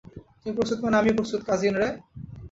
তুমি প্রস্তুত মানে আমিও প্রস্তুত, কাজিন রে।